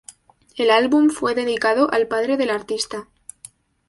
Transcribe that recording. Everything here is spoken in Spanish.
El álbum fue dedicado al padre del artista.